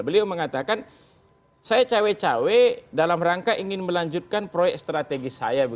beliau mengatakan saya cawe cawe dalam rangka ingin melanjutkan proyek strategis saya